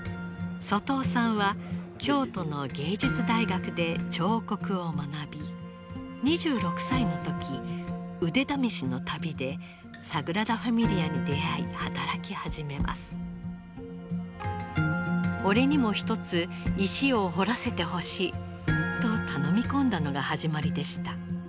外尾さんは京都の芸術大学で彫刻を学び２６歳の時腕試しの旅でサグラダ・ファミリアに出会い働き始めます。と頼み込んだのが始まりでした。